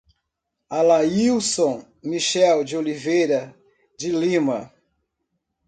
Alailson Michel de Oliveira de Lima